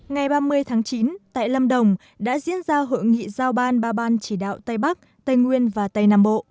ngày ba mươi tháng chín tại lâm đồng đã diễn ra hội nghị giao ban ba ban chỉ đạo tây bắc tây nguyên và tây nam bộ